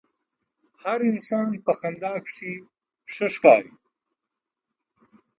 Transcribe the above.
هر انسان په خندا کښې ښه ښکاري.